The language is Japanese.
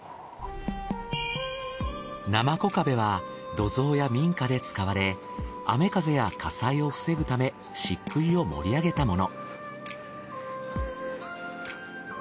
なまこ壁は土蔵や民家で使われ雨風や火災を防ぐためしっくいを盛り上げたもの。